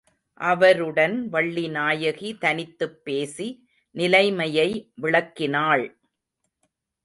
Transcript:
அவருடன் வள்ளிநாயகி தனித்துப் பேசி நிலைமையை விளக்கினாள்.